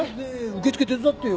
受付手伝ってよ。